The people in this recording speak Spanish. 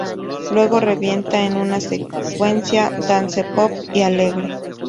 Luego, revienta en una secuencia dance-pop y alegre.